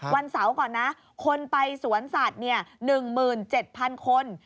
วันเสาร์ก่อนนะคนไปสวนสัตว์๑หมื่น๗พันคน